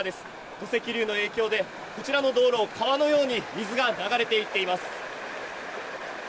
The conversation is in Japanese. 土石流の影響で、こちらの道路、川のように水が流れていっています。